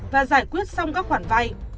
và giải quyết xong các khoản vay